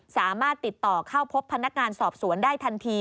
สามารถติดต่อเข้าพบพนักงานสอบสวนได้ทันที